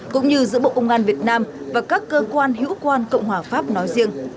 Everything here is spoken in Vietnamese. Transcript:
cũng như giữa bộ công an việt nam và các cơ quan hữu quan cộng hòa pháp nói riêng